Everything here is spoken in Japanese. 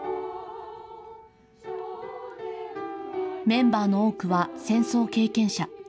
メンバーの多くは戦争経験者。